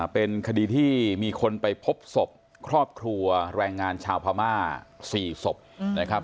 เป็นคดีที่มีคนไปพบศพครอบครัวแรงงานชาวพม่า๔ศพนะครับ